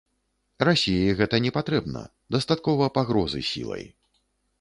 Расіі гэта не патрэбна, дастаткова пагрозы сілай.